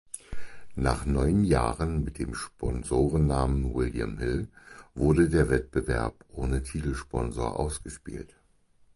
Nach neun Jahren mit dem Sponsorennamen William Hill wurde der Wettbewerb ohne Titelsponsor ausgespielt.